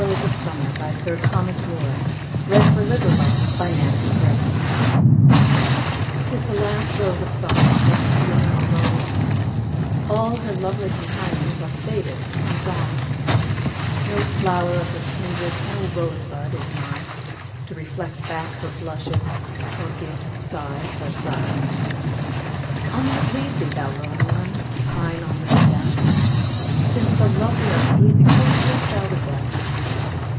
...other Poetry Sites Thomas Moore (1779 1852) 'TIS THE LAST ROSE OF SUMMER 'TIS the last rose of summer, Left blooming alone ; All her lovely companions Are faded and gone ; No flower of her kindred, No rose bud is nigh, To reflect back her blushes, Or give sigh for sigh. I'll not leave thee, thou lone one ! To pine on the stem ; Since the lovely are sleeping, Go sleep thou with them.